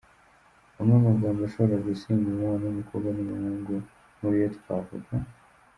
amwe mu magambo ashobora gusenya umubano w’umukobwa n’umuhungu muriyo twavuga:.